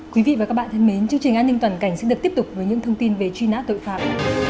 quý vị và các bạn thân mến chương trình an ninh toàn cảnh sẽ được tiếp tục với những thông tin về truy nã tội phạm